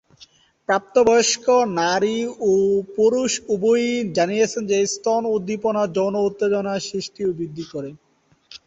প্রাপ্তবয়স্ক নারী ও পুরুষ উভয়ই জানিয়েছেন যে, স্তন উদ্দীপনা যৌন উত্তেজনা সৃষ্টি ও বৃদ্ধি করে।